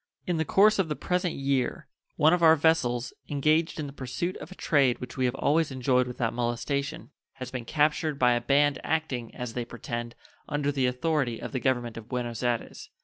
In the course of the present year one of our vessels, engaged in the pursuit of a trade which we have always enjoyed without molestation, has been captured by a band acting, as they pretend, under the authority of the Government of Buenos Ayres.